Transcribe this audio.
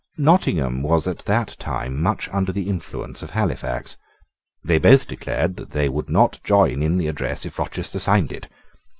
Nottingham was at that time much under the influence of Halifax. They both declared that they would not join in the address if Rochester signed it.